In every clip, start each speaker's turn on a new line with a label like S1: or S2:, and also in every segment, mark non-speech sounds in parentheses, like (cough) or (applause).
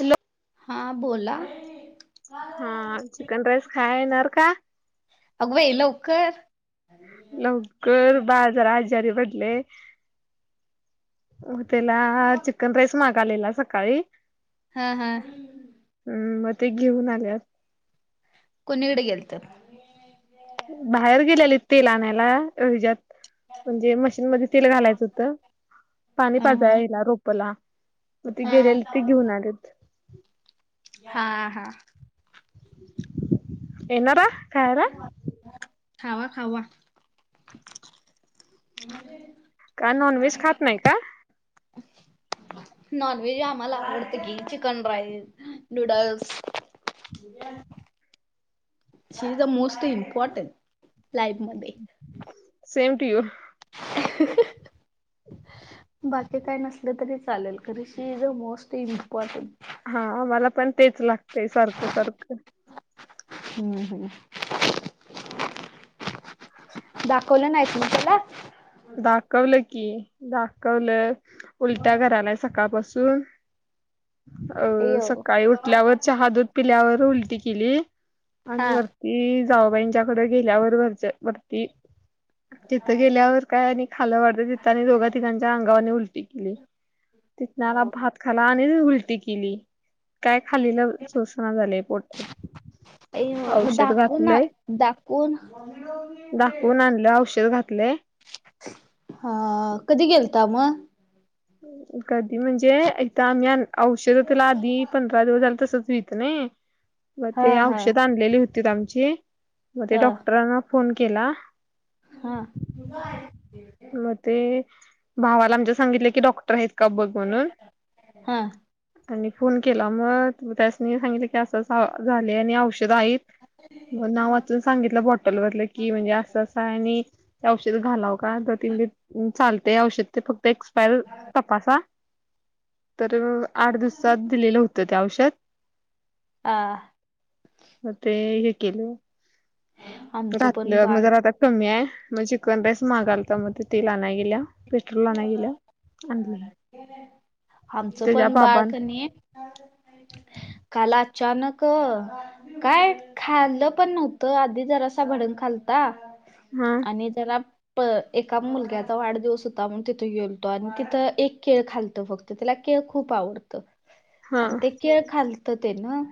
S1: Hello.
S2: हां बोला?
S1: हा, चिकन राईस खाया येणार का?
S2: अगं बाई, लवकर.
S1: लवकर बाळ जरा आजारी पडलंय. हो, त्याला चिकन राईस मागालेला सकाळी.
S2: ह, हा
S1: हम्, मग ते घेऊन आल्यात
S2: कोणीकडे गेलत म
S1: बाहेर गेल्यालीत तेल आणायला हिज्यात. म्हणजे मशीनमध्ये तेल घालायचं होतं. पाणी
S2: हा हा
S1: पाजायं हेला रोपंला, मग ते गेलेत ते घेऊन आलीत.
S2: हां हां.
S1: येणारा, खायाला.
S2: खावा खावा
S1: का नॉनव्हेज खात नाही का?
S2: (inaudible) नॉनव्हेज आम्हाला आवडतं की, chicken rice, noodles. (unintelligible) She is the most important, लाईफमध्ये.
S1: Same to you.
S2: ह. (inaudible)
S1: (unintelligible)
S2: बाकी काय नसलं तरी चालेल खरं she is a most important
S1: हा, मला पण तेच लागतंय सारखं, सारखं
S2: ह, ह दाखवलं नाहीत म त्याला
S1: दाखवलं की, दाखवलं. उलट्या करायलाय सकाळपासून. अ
S2: अयो
S1: सकाळी उठल्यावर चहा-दूध पिल्यावर उलटी केली
S2: हा
S1: आणि वर ती जाऊबाईंच्याकडे गेल्यावर वरच्या- वरती तिथं गेल्यावर काय आणि खालं वाडत तिथं आणि दोघा तिघांच्या अंगावरने उलटी केली. तिथनं आला भात खाला आणि उलटी केली. काय खालीला सोषणा झालेय पोटात.
S2: अय्यो, म
S1: औषध
S2: दाखवून,
S1: घातलंय
S2: दाखवून.
S1: दाखवून आणलं औषध घातलंय
S2: हा, कधी गेलता मग?
S1: कधी म्हणजे एकदा आम्ही आम औषध तेला आधी पंधरा दिवस झालं तसच व्हीट नाही मग
S2: हा
S1: ते
S2: हा
S1: औषध आण लेली होती आमची मग ते
S2: हा
S1: डॉक्टरांना फोन केला
S2: हा बर
S1: मग ते भावाला आमच्या सांगितले की डॉक्टर आहेत का बघ म्हणून
S2: हा
S1: आणि फोन केला मग त्यासनी सांगितलं की असं असं झाले आणि औषध आहेत मग नाव वाचून सांगितलं बॉटल वरलं की म्हणजे असंं अस हाय आणि ते औषध घालावं काय ब चालते औषध ते फक्त एक्सपायर तपासा तर आठ दिवसात दिलेलं होतं ते औषध
S2: आ
S1: मग ते हे केलं
S2: आमचं पण
S1: घातलं मग
S2: बाळ
S1: जरा आता कमी आहे मग चिकन राईस मागालता मग ति ते ला नाही गेल्या. पेट्रोल आनाय गेलं, आणलय,
S2: आमचं
S1: त्याच्या
S2: पण बाळ
S1: बाबन.
S2: कणी काल अचानक काय खाल्लं पण नव्हतं आधी जरासा भडंग खालता.
S1: हा.
S2: आणि जरा एका मुलग्याचा वाढदिवस हो आम्ही तिथे गेलतो आणि तिथं एक केळ खालतो फक्त तिला केळ खूप आवडतं.
S1: हा
S2: आणि ते केळ खालत ते न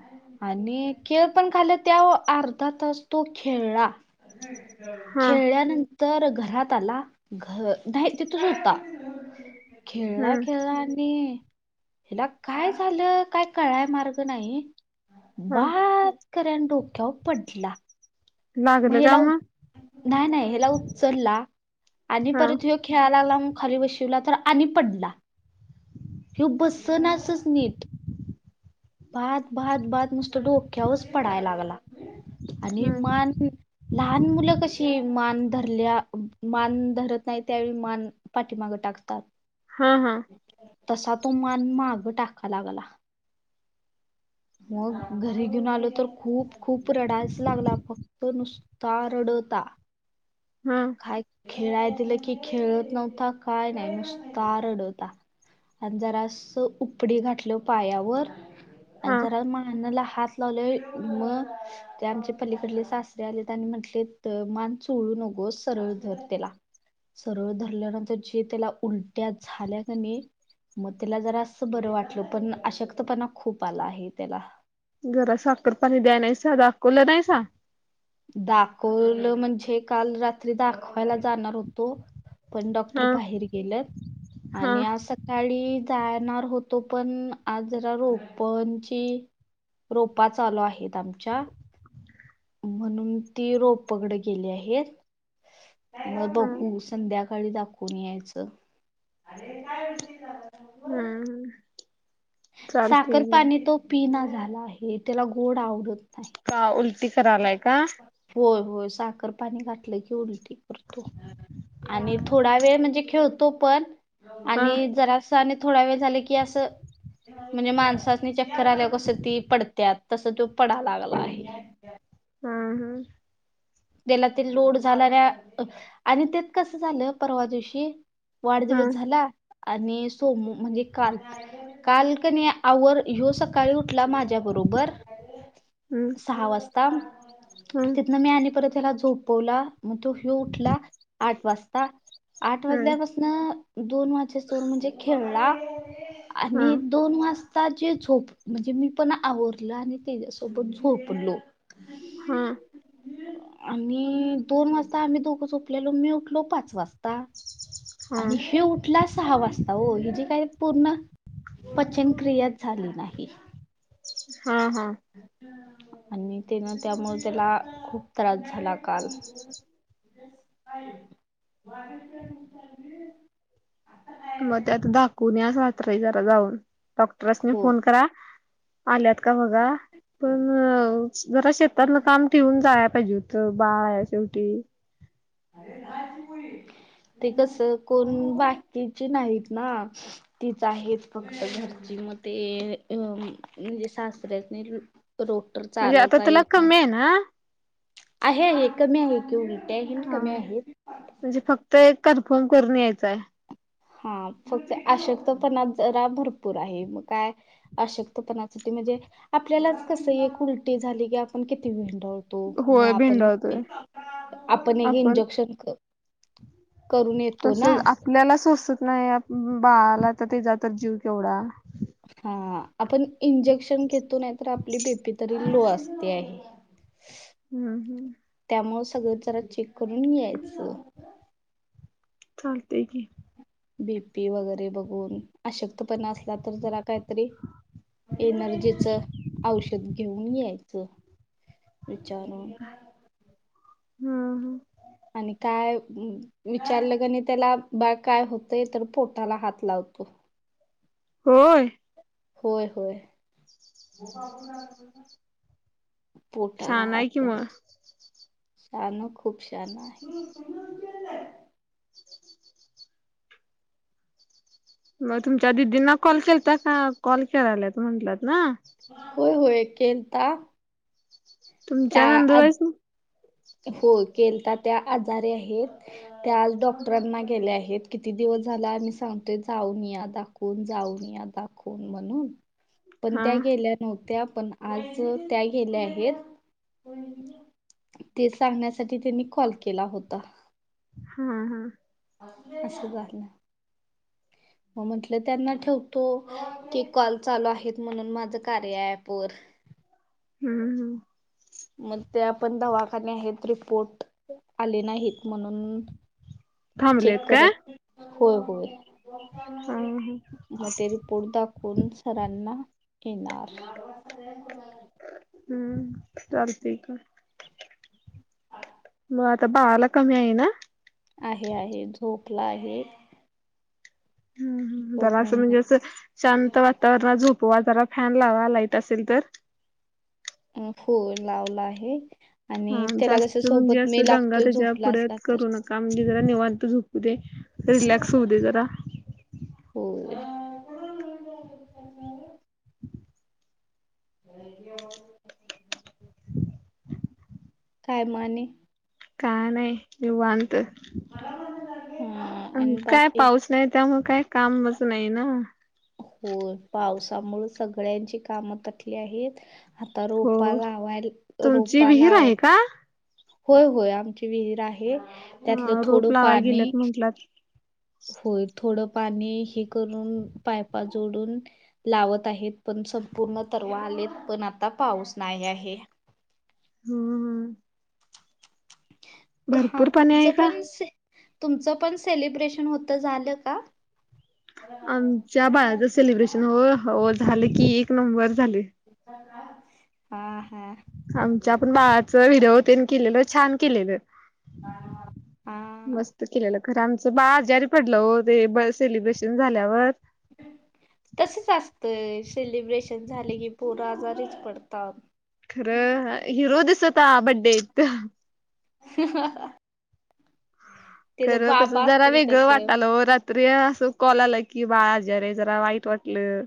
S2: आणि केळ पण खाल्ल त्यावर अर्धा तास तो खेळला.
S1: हा
S2: खेळल्यानंतर घरात आला, घ नाही. तिथच होता, खेळला
S1: हम्म
S2: खेळला आणि हिला काय झालं काय कळाय मार्ग नाही
S1: हा
S2: बा कर्यान डोक्यावर पडला मग
S1: लागलं का
S2: हेला उच नाही नाही हेला उचलला आणि
S1: हा
S2: परत हे खेळायला लागला मग खाली बशिवला तर आणि पडला तो बसनासनसच नीट पाट पाट पाट नुस्ता डोक्यावरच पडाय लागला आणि
S1: हम्म
S2: मान लहान मुलं कशी मान धरल्या, मान धरत नाही त्यावेळी मान पाठीमागं टाकतात.
S1: हां हां.
S2: तसा तो मान माग टाका लागला. मग घरी घेऊन आलो तर खूप खूप रडायच लागला फक्त नुसता रडता.
S1: हां.
S2: काय खेळाय दिलं की खेळत नव्हता काय नाही नुस्ता रडता. आणि जरा अस उपडी घातलो पायावर
S1: हा
S2: जरा मानाला हात लावले मग ते आमच्या पलीकडले सासरे आलेत आणि म्हंटले मान चोळू नकोस सरळ धर त्याला. सरळ धरल्यानंतर जे त्याला उलट्या झाल्या कने मग त्याला जरा असं बरं वाटल पण अशक्तपणा खूप आला आहे त्याला.
S1: जरा साखर पाणी द्याय नाहीसा, दाखवलं नाहीसा.
S2: दाखवलं म्हणजे काल रात्री दाखवायला जाणार होतो. पण डॉक्टर
S1: हा
S2: बाहेर गेल्यात
S1: हा
S2: आणि आस सकाळी जाणार होतो पण, आज जरा रोपणची रोपा चालू आहेत आमच्या. म्हणून ती रोप पकड गेली आहेत. मग
S1: हा
S2: बघू संध्या काळी दाखवून यायचं.
S1: हम्म. चालतंय
S2: साखर
S1: की
S2: पाणी तो पिना झाला आहे, त्याला गोड आवडत नाही.
S1: का उलटी करालाय का-
S2: होय होय, साखर पाणी घाठलं की उलटी आणि थोडा वेळ म्हणजे खेळतो पण,
S1: हा
S2: आणि जरास ने थोडा वेळ झालं की असं म्हणजे माणसासनी चक्कर आल्याव कस ती पडत्यात, तसं तो पडा लागलाय.
S1: हम्म हम्म.
S2: त्याला ते लोड झाला आणि तेत कसं झालं, परवा दिवशी वाढदिवस झाला आणि सोम म्हणजे काल काल कणी आवर, ह्यो सकाळी उठला माझ्या बरोबर.
S1: हम्म.
S2: सहा वाजता.
S1: हम्म.
S2: न मी आणि परत त्याला झोपवला. मग तो ह्यो उठला आठ वाजता. आठ
S1: हम्म
S2: वाजल्यापासन दोन वाजेस तोवर म्हणजे खेळला.
S1: हा
S2: आणि दोन वास ता जे झोप, म्हणजे मी पण आवरलं आणि त्याच्यासोबत झोपलो.
S1: हा.
S2: आणि दोन वाजता आम्ही दोघं झोपलेलो, मि उठलो पाच वाज ता
S1: हा
S2: आणि ह्यो उठला सहा वाजता ओ ही जी काही पूर्ण, पचनक्रियाच झाली नाही.
S1: हा हा.
S2: आणि तेन त्यामुळे त्याला खूप त्रास झाला काल.
S1: मग ते आता दाखवून या रात्री जरा जाऊन, डॉक्टरसनी
S2: हो.
S1: फोन करा आल्यात का बघा पण जरा शेतातल काम ठेवून जाया पाहिजे होत बाळ हाय शेवटी
S2: ते कस कोण बाकीचे नाहीत ना तीच आहे फक्त घरची, मग ते अ- म्हणजे सासऱ्यासनी ट्री रोटर
S1: म्हणजे आता
S2: चालवता
S1: त्याला
S2: येत
S1: कमी आहे
S2: नाही.
S1: ना
S2: आहे आहे कमी आहे की, उलट्या हे
S1: हा
S2: कमी आहे.
S1: म्हणजे फक्त एक कन्फर्म करून यायचाय.
S2: हा फक्त आशक्तपणा जरा भरपूर आहे. म काय? अशक्तपणासाठी म्हणजे आपल्यालाच कसं एक उलटी झाली की आपण किती वेंढलं - तो म
S1: होय
S2: आपण
S1: भिंडावतोय
S2: एक आपण एक इंजेक्शन क करून येत
S1: तसच आपल्याला सोसत नाय बाळाला तर त्याचा तर जीव केवढा.
S2: हा आपण इंजेक्शन घेतो नाय तर आपली बेपी तरी लो असते आहे.
S1: हम्म हम्म.
S2: त्यामुळ सगळं जरा चेक करून यायचं.
S1: चालतय की
S2: बीपी वगैरे बघून अशक्तपणा असला तर जरा कायतरी एनर्जीच औषध घेऊन यायचं. विचारून.
S1: हा हा.
S2: आणि काय विचारलं कणय त्याला बाळ काय होतंय तर पोटाला हात लावतो.
S1: होय.
S2: होय होय. पोटाला
S1: छान
S2: हात
S1: आहे की मग
S2: लावतो शान खूप शान आहे.
S1: म तुमच्या दिदींना कॉल केलता का कॉल करायलात म्हंटलात ना.
S2: होय होय केलता.
S1: तुमच्या नंदू बाईस नी
S2: होय केलता त्या आजारी आहेत त्या आज डॉक्टरांना गेल्या आहेत. किती दिवस झाला आम्ही सांगतोय जाऊन या दाखवून जाऊन या दाखवून म्हणून पण
S1: हा
S2: त्या गेल्या नव्हत्या पण आज त्या गेल्या आहेत. ते सांगण्यासाठी तिनी कॉल केला होता.
S1: हा हा.
S2: अश झाहल.
S1: (unintelligible)
S2: म म्हटलं त्यांना ठेवतो की कॉल चालू आहेत म्हणून माझं कार्या ऍप वर
S1: हूं हम्म
S2: मग त्या पण दवाखाने आहेत रिपोर्ट आले नाहीत म्हणून चेक
S1: थांबलेत काय
S2: करत होय होय.
S1: हा हा
S2: म ते रिपोर्ट दाखवून सरांना येणार.
S1: हम्म चालतय कं म आता बाळाला कमी आहे ना.
S2: आहे आहे झोपला आहे.
S1: हम्म जरा
S2: बघू
S1: असं म्हणजे
S2: मग
S1: अस शांत वातावरणात झोपवा जरा फॅन लावा लाईट असेल तर
S2: अ फोन लावला आहे. आणि
S1: हा
S2: त्याला कसं
S1: जास्त म्हणजे
S2: सोबत
S1: असं
S2: मी
S1: दंगा
S2: लागतोय
S1: त्याच्या
S2: झोपला असला
S1: पुढ्यात
S2: तर
S1: करू नका म्हणजे जरा निवांत झोपू दे. रिलॅक्स होऊ दे जरा
S2: होय.
S1: (unintelligible)
S2: काय म आणि
S1: का नाही निवांत
S2: हा आणि
S1: काय
S2: बाकी
S1: पाऊस नाही त्यामुळे काय कामच नाही ना.
S2: होय पावसामुळ सगळ्यांची कामं तटली आहेत हात - आता
S1: हो
S2: रोपा लावाय
S1: तुमची
S2: रोपा
S1: विहीर
S2: लाव
S1: आहे का
S2: होय होय आमची विहीर आहे त्यातलं
S1: ह रोप
S2: थोडं
S1: लावा
S2: पाणी
S1: गेल्यात म्हंटलात
S2: होय थोडं पाणी हे करून पायपा जोडून लावत आहेत पण संपूर्ण तरवा आलेत पण आता पाऊस नाही आहे
S1: हम् हम
S2: हा
S1: भरपूर पाणी आहे
S2: तुमचं
S1: का
S2: पण तुमचं पण सेलिब्रेशन होत झालं का
S1: आमच्या बाळाचं सेलिब्रेशन हो हो झाले की एक नंबर झाले
S2: हा हा
S1: आमच्या पण बाळाच विडिओ तेन केलेलं छान केलेलं
S2: हा
S1: मस्त केलेलं खरं आमचं बाळ आजारी पडलं ओ ते सेलिब्रेशन झाल्यावर
S2: तसच असतंय सेलिब्रेशन झाले की पोर आजारीच पडतात
S1: खरं हिरो दिसता बड्डेत
S2: ह
S1: खर कसं
S2: बाबा
S1: जरा
S2: असतील
S1: वेगळं
S2: तसं
S1: वाटालं ओ त असं कॉल आलं की बाळा आजारी आहे जरा वाईट वाटलं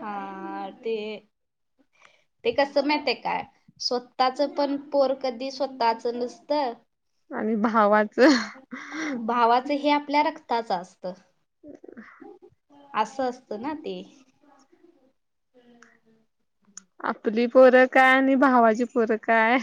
S2: हा ते ते कसं माहिते काय स्वतःच पण पोर कधी स्वतःच नसत
S1: आणि भावाच
S2: भावाच हे आपल्या रक्त च असत असं असतं ना ते हम्म ह
S1: आपली पोरं काय आणि भावाची पोरं काय